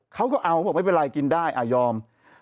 เขาก็เอาบอกไม่เป็นไรกินได้ยอม